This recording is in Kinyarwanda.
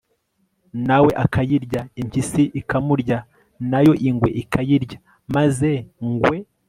na we akayirya, impyisi ikamurya, na yo ingwe ikayirya, maze ... ngwe